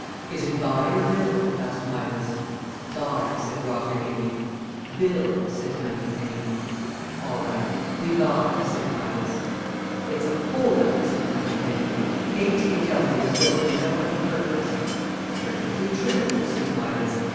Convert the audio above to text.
"Is it buy or build?" asked Midas. "Buy," said Rockernegie. "Build," said Moneypenny. "All right we buy," said Midas. "It's a hold up," said Moneypenny. "K., T. & W. was built for no other purpose." "Perfectly true," said Midas.